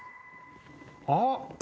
あっ！